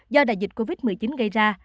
do đại dịch covid một mươi chín gây ra